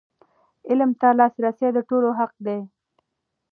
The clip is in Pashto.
علم ته لاسرسی د ټولو حق دی.